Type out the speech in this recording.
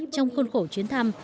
trong khuôn khổ chuyến thăm